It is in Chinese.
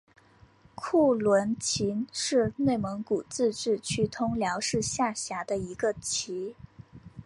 库伦旗是内蒙古自治区通辽市下辖的一个旗。